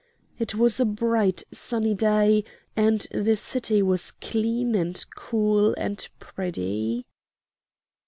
It was a bright sunny day, and the city was clean and cool and pretty.